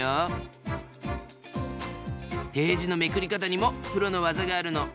ページのめくりかたにもプロの技があるの。